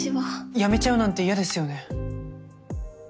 辞めちゃうなんて嫌ですよね。